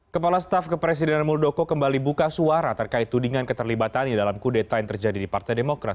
kepala staf kepresidenan muldoko kembali buka suara terkait tudingan keterlibatannya dalam kudeta yang terjadi di partai demokrat